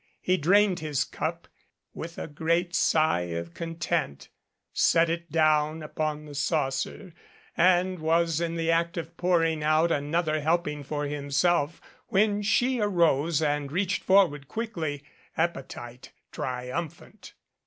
He drained his cup with a great sigh of content, set it down upon the saucer and was in the act of pouring out another helping for himself when she rose and reached forward quickly, appetite triumphant.